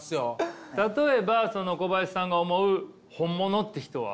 例えばその小林さんが思う本物って人は？